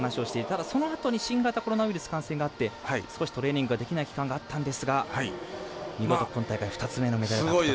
ただ、そのあとに新型コロナウイルス感染があって少しトレーニングができない期間があったんですが見事、今大会２つ目のメダル獲得。